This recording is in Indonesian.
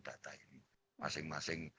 data ini masing masing